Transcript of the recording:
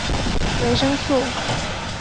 维生素。